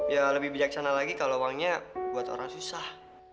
ya lebih bijaksana lagi kalau uangnya buat orang susah